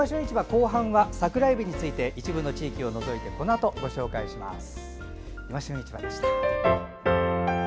後半は桜えびについて一部の地域を除いてこのあとご紹介します。